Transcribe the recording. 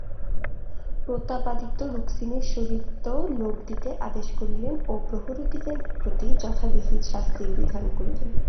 প্রতাপাদিত্য রুক্মিণীর সহিত লোক দিতে আদেশ করিলেন ও প্রহরীদিগের প্রতি যথাবিহিত শাস্তির বিধান করিলেন।